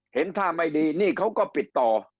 เห็นท่าไม่ดีนี่เขาก็ปิดต่อ